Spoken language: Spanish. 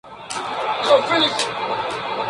Ned y Chuck fueron separados.